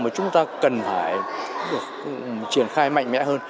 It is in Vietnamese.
mà chúng ta cần phải được triển khai mạnh mẽ hơn